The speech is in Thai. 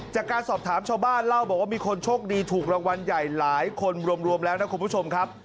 จากการสอบถามชาวบ้านเล่าบอกว่ามีคนโชคดีถูกรางวัลใหญ่หลายคนรวมแล้วนะคุณผู้ชมครับ